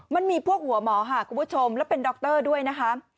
มันมีพวกหัวหมอค่ะคุณผู้ชมแล้วเป็นดรด้วยนะคะ